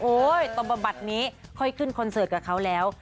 ตอนบำบัดนี้ค่อยขึ้นคอนเสิร์ตกับเขาแล้ว